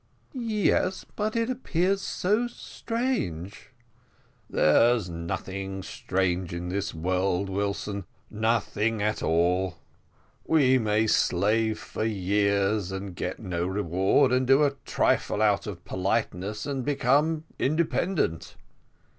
"Yes, but it appears so strange." "There's nothing strange in this world, Wilson, nothing at all we may slave for years and get no reward, and do a trifle out of politeness and become independent.